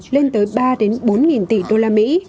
lên tới ba bốn tỷ usd